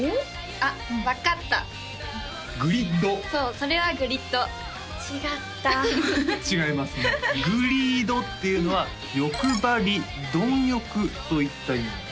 あっ分かったグリッドそうそれはグリッド違った違いますね「ＧЯｅｅＤ」っていうのは「欲張り」「貪欲」といった意味なんです